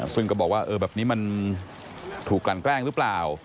ซึ่งก็บอกว่าแบบนี้มันถูกกลั่นแกล้งหรือเปล่า